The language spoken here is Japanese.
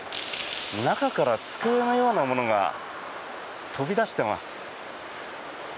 中から机のようなものが飛び出してます。